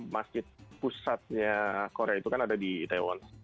masjid pusatnya korea itu kan ada di itaewon